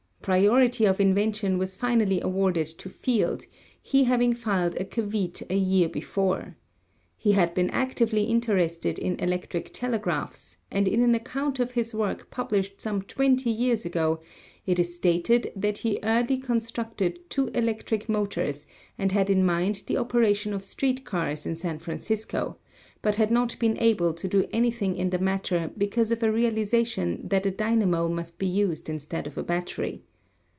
Priority of invention was finally awarded to Field, he having filed a caveat a year before. He had been actively interested in electric telegraphs, and in an account of his work pub lished some 20 years ago, it is stated that he early con structed two electric motors and had in mind the opera tion of street cars in San Francisco, but had not been able to do anything in the matter because of a realization that a dynamo must be used instead of a battery.